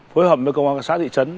phối hợp với công an xác thị trấn